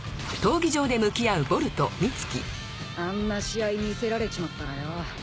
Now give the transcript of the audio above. あんな試合見せられちまったらよ